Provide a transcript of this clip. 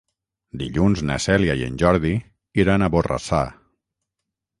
Dilluns na Cèlia i en Jordi iran a Borrassà.